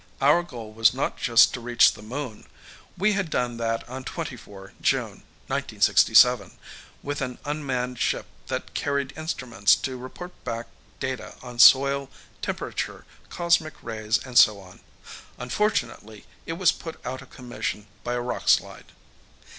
Our goal was not just to reach the Moon. We had done that on 24 June 1967 with an unmanned ship that carried instruments to report back data on soil, temperature, cosmic rays and so on. Unfortunately, it was put out of commission by a rock slide.